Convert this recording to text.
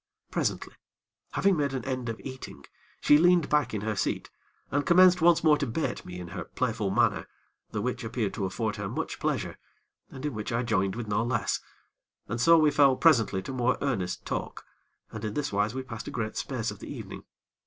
Presently, having made an end of eating, she leaned back in her seat and commenced once more to bait me in her playful manner, the which appeared to afford her much pleasure, and in which I joined with no less, and so we fell presently to more earnest talk, and in this wise we passed a great space of the evening.